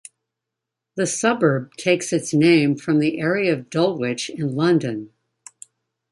The suburb takes its name from the area of Dulwich in London.